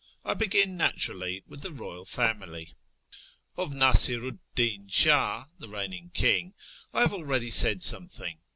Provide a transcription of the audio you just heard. I begin naturally with the royal family. Of Nasiru 'd Di'n Shah, the reigning king, I have already said something.